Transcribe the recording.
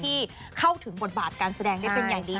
ที่เข้าถึงบทบาทการแสดงได้เป็นอย่างดี